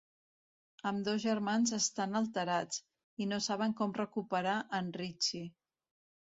Ambdós germans estan alterats, i no saben com recuperar en Richie.